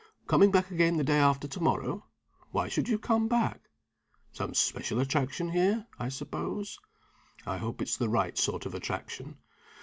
coming back again the day after to morrow? Why should you come back? Some special attraction here, I suppose? I hope it's the right sort of attraction.